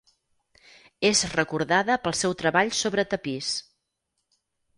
És recordada pel seu treball sobre tapís.